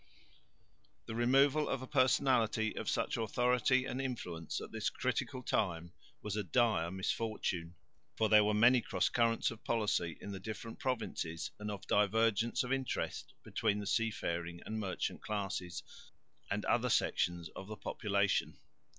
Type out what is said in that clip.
The removal of a personality of such authority and influence at this critical time was a dire misfortune, for there were many cross currents of policy in the different provinces and of divergence of interests between the seafaring and merchant classes and other sections of the population.